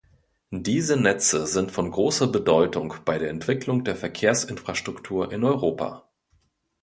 Diese Netze sind von großer Bedeutung bei der Entwicklung der Verkehrsinfrastruktur in Europa.